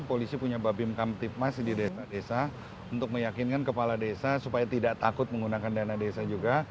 polisi punya babim kamtipmas di desa desa untuk meyakinkan kepala desa supaya tidak takut menggunakan dana desa juga